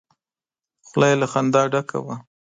خوله يې له خندا ډکه وه!